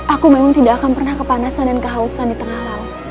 aku memang tidak akan pernah kepanasan dan kehausan di tengah laut